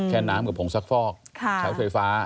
น้ำกับผงซักฟอกใช้ไฟฟ้า